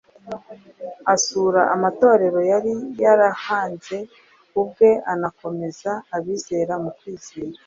asura amatorero yari yarahanze ubwe anakomereza abizera mu kwizera.